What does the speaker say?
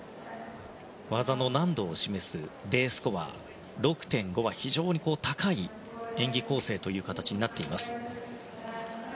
技の難度を示すＤスコア６．５は非常に高い演技構成という形になっています。